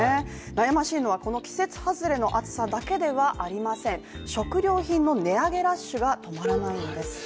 悩ましいのはこの季節外れの暑さだけではありません、食料品の値上げラッシュが止まらないのです。